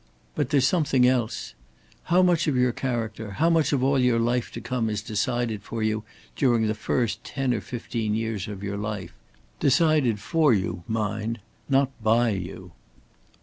But there's something else. How much of your character, how much of all your life to come is decided for you during the first ten or fifteen years of your life decided for you, mind, not by you?